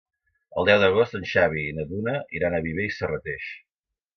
El deu d'agost en Xavi i na Duna iran a Viver i Serrateix.